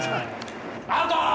アウト！